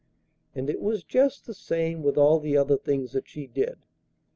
And it was just the same with all the other things that she did.